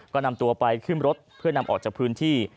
ก็นำตัวไปขึ้นรถเพื่อนำออกจากพื้นที่